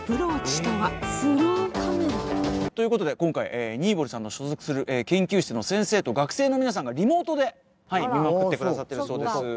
という事で今回新堀さんの所属する研究室の先生と学生の皆さんがリモートで見守ってくださってるそうです。